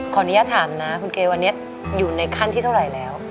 ขออนุญาตถามนะคุณเกวันนี้อยู่ในขั้นที่เท่าไหร่แล้ว